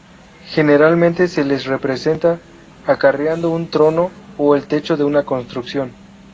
Generalmente, se los representa acarreando un trono o el techo de una construcción.